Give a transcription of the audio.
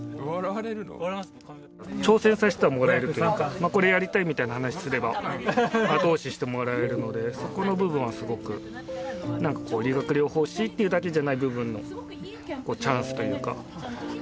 挑戦させてはもらえるというかこれやりたいみたいな話をすれば後押ししてもらえるのでそこの部分はすごくなんかこう理学療法士ってだけじゃない部分の。